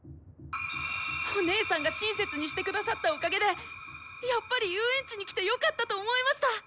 お姉さんが親切にして下さったおかげでやっぱり遊園地に来てよかったと思えました！